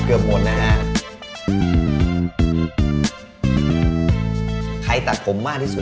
นะฮะใครตัดผมมากที่สุด